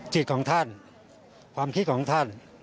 จิตของท่านความคิดของท่าน